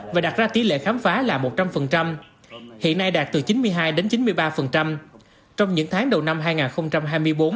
và đặt ra tỷ lệ khám phá là một trăm linh hiện nay đạt từ chín mươi hai đến chín mươi ba trong những tháng đầu năm hai nghìn hai mươi bốn